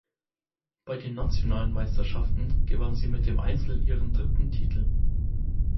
Bei den nationalen Meisterschaften gewann sie mit dem Einzel ihren dritten Titel.